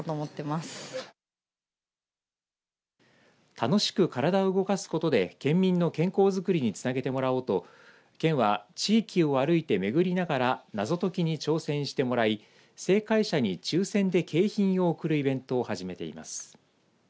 楽しく体を動かすことで県民の健康づくりにつなげてもらおうと県は地域を歩いて巡りながら謎解きに挑戦してもらい正解者に抽せんで景品を贈るイベントを始めています。